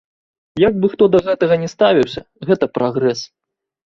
Як бы хто да гэтага не ставіўся, гэта прагрэс.